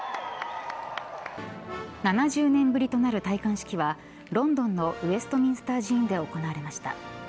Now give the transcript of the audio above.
７０年ぶりとなる戴冠式はロンドンのウェストミンスター寺院で行われました。